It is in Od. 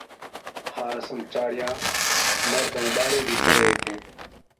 ھا رسم چاڙِيا، مرد ائُون ٻاڙين بِي ڪري ھِتين